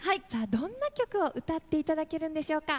どんな曲を歌っていただけるんでしょうか。